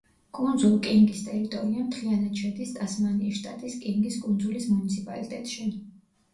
კუნძულ კინგის ტერიტორია მთლიანად შედის ტასმანიის შტატის კინგის კუნძულის მუნიციპალიტეტში.